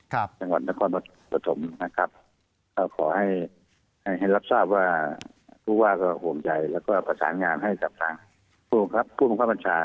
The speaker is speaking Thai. ก็ขอให้ฟิฐรัติพูดว่าการห่วงใจและประสานงามกับผู้มังความบรรชา